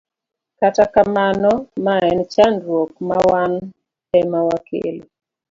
Kata kamano, mae en chandruok ma wan ema wakelo.